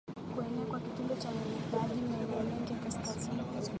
kuenea kwa kitendo cha unyanyapaji maeneo mengi ya kazini